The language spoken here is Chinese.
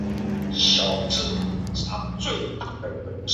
营业时间与泳池相同。